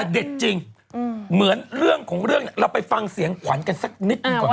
เด็ดจริงเหมือนเรื่องของเรื่องเราไปฟังเสียงขวัญกันสักนิดหนึ่งก่อน